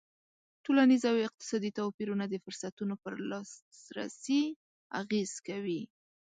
ټولنیز او اقتصادي توپیرونه د فرصتونو پر لاسرسی اغېز کوي.